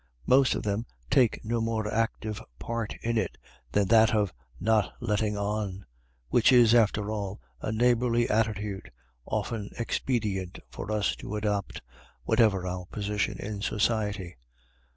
Most of them take no more active part in it than that of "not letting on," which is, after all, a neighbourly attitude, often expedient for us to adopt, whatever our position in society.